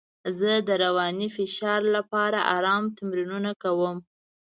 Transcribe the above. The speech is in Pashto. زه د رواني فشار لپاره ارام تمرینونه کوم.